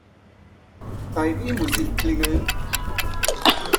Bei wem muss ich klingeln?